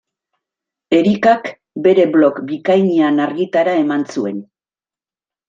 Erikak bere blog bikainean argitara eman zuen.